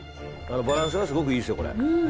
バランスがすごくいいですよ、これ。